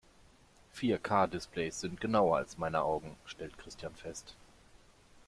Vier-K-Displays sind genauer als meine Augen, stellt Christian fest.